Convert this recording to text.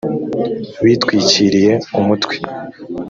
bitwikiriye umutwe